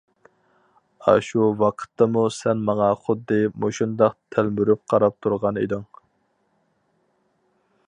ئاشۇ ۋاقىتتىمۇ سەن ماڭا خۇددى مۇشۇنداق تەلمۈرۈپ قاراپ تۇرغان ئىدىڭ!...